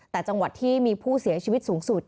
แต่จังหวัดที่มีผู้เสียชีวิตสูงสุด